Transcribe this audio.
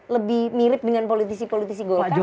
lebih mirip dengan politisi politisi golkar atau gimana